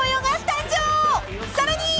［さらに］